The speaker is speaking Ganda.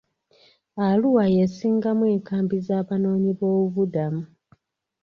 Arua y'esingamu enkambi z'abanoonyiboobubudamu.